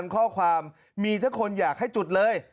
๕๙๐๐๐ข้อความมีทุกคนอยากให้จุดเลย